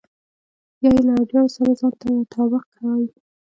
يا يې له اړتياوو سره ځان تطابق کوئ.